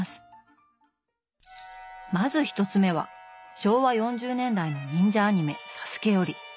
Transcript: まず１つ目は昭和４０年代の忍者アニメ「サスケ」より。